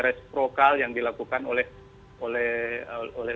resprokal yang dilakukan oleh oleh oleh